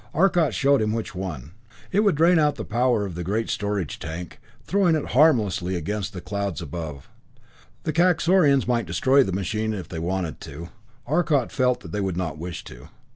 Arcot showed him which one it would drain out the power of the great storage tank, throwing it harmlessly against the clouds above. The Kaxorians might destroy the machine if they wanted to Arcot felt that they would not wish to.